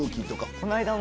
この間も。